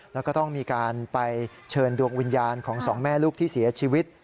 แล้วก็ต้องมีการไปเชิญดวงวิญญาณของสองแม่ลูกที่เสียชีวิต